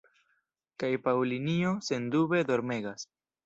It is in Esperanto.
Kaj Paŭlinjo, sendube, dormegas.